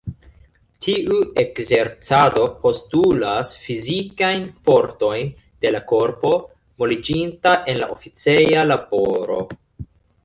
Tiu ekzercado postulas fizikajn fortojn de la korpo, moliĝinta en oficeja laboro.